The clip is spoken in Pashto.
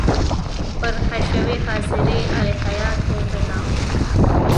پر حشوي – ظاهري الهیاتو بنا و.